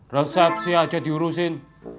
resepsi aja diurusin